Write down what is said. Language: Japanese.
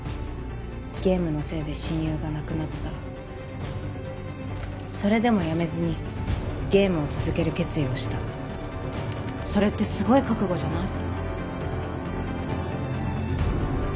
ゲームのせいで親友が亡くなったそれでもやめずにゲームを続ける決意をしたそれってすごい覚悟じゃない？